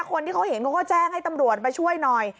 คนที่เขาเห็นเขาก็แจ้งให้ตำรวจมาช่วยหน่อย